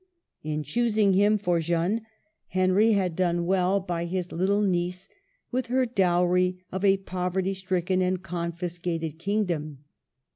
In choosing him for Jeanne, Henry had done well by his little niece, with her dowry of a poverty stricken and confiscated kingdom.